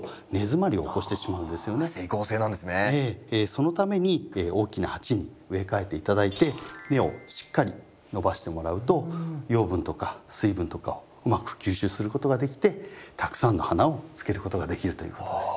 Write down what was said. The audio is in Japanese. そのために大きな鉢に植え替えて頂いて根をしっかり伸ばしてもらうと養分とか水分とかをうまく吸収することができてたくさんの花をつけることができるということです。